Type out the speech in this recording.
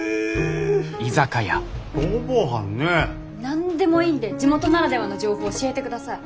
何でもいいんで地元ならではの情報教えて下さい。